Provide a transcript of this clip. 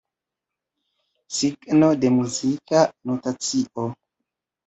Signo de muzika notacio.